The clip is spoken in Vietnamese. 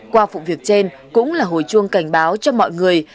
qua vụ việc trên cũng là hồi chuông cảnh báo cho mọi người